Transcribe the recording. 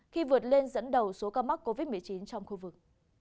khi vượt lên dẫn đầu số ca mắc covid một mươi chín trong khu vực